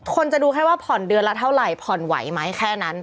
คนจะดูแค่ว่าผ่อนเดือนละเท่าไหร่ผ่อนไหวไหมแค่นั้น